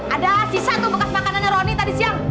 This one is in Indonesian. ada sisa tuh bekas makanannya roni tadi siang